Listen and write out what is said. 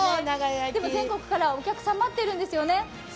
でも、全国からお客さんが待っているんですよね？